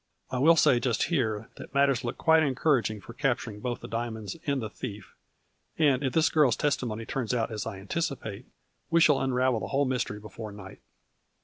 I will say just here that matters look quite encourag ing for capturing both the diamonds and the 60 A FLURRY IN DIAMONDS . thief, and, if this girl's testimony turns out as I anticipate, we shall unravel the whole mystery before night."